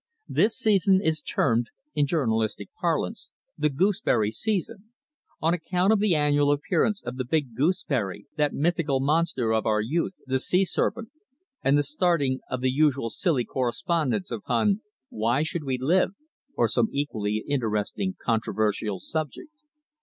This season is termed, in journalistic parlance, "the gooseberry season," on account of the annual appearance of the big gooseberry, that mythical monster of our youth, the sea serpent, and the starting of the usual silly correspondence upon "Why should we live?" or some equally interesting controversial subject.